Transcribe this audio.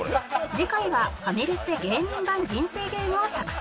次回はファミレスで芸人版人生ゲームを作成